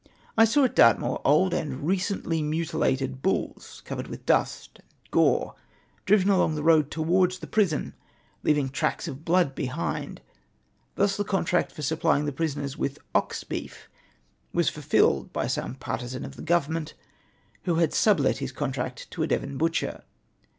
I saw at Dartmoor old and recently mutilated bulls, covered with dust and gore, driven along the road towards the prison, leaving tracks of blood behind ! Thus the contract for supplying the prisoners with ox heef was fulfilled by some partisan of the government, who had sublet his contract to a Devon butcher.